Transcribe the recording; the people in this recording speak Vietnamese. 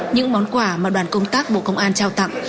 những món quà mà đoàn công tác bộ công an trao tặng